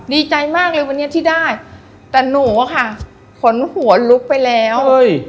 ดีใจมากเลยวันนี้ที่ได้แต่หนูอะค่ะขนหัวลุกไปแล้วเฮ้ย